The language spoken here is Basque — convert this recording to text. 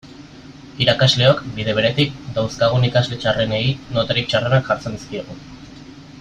Irakasleok, bide beretik, dauzkagun ikasle txarrenei notarik txarrenak jartzen dizkiegu.